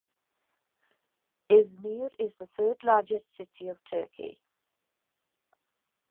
Izmir is the third largest city of Turkey.